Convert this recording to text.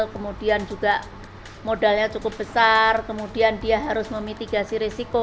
kemudian juga modalnya cukup besar kemudian dia harus memitigasi risiko